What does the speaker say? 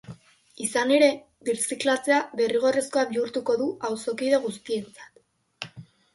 Izan ere, birziklatzea derrigorrezkoa bihurtuko du auzokide guztientzat.